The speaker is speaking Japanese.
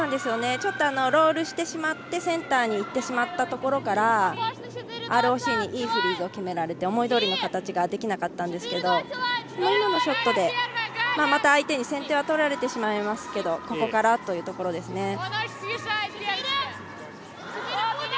ちょっとロールしてしまってセンターにいってしまったところからＲＯＣにいいフリーズを決められて思いどおりの形ができなかったんですけど今のショットでまた、相手に先手はとられてしまいますけどここからというところですね。